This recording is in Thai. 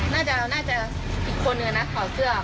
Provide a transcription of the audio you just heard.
น่าจะอีกคนเลยนะถอดเสื้อ